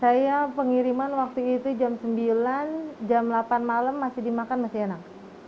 saya pengiriman waktu itu jam sembilan jam delapan malam masih dimakan masih enak